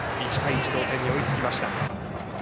１対１、同点に追いつきました。